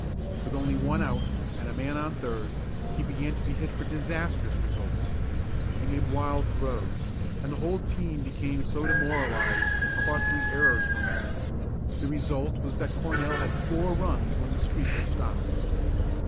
With only one out, and a man on third, he began to be hit for disastrous results. He made wild throws, and the whole team became so demoralized that costly errors were made. The result was that Cornell had four runs when the streak was stopped.